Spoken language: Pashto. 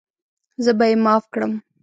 زه به یې معاف کړم.